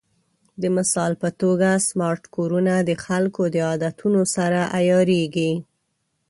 د مثال په توګه، سمارټ کورونه د خلکو د عادتونو سره عیارېږي.